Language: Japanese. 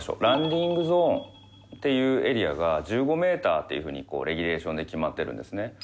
ランディングゾーンっていうエリアが１５メーターっていう風にレギュレーションで決まってるんですね。